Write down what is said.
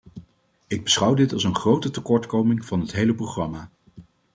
Ik beschouw dit als een grote tekortkoming van het hele programma.